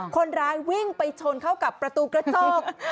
คนร้ายวิ่งไปชนเข้ากับประตูกระจก